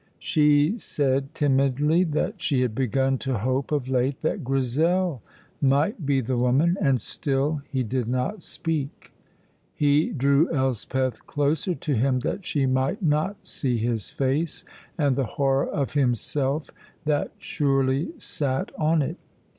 She said, timidly, that she had begun to hope of late that Grizel might be the woman, and still he did not speak. He drew Elspeth closer to him, that she might not see his face and the horror of himself that surely sat on it.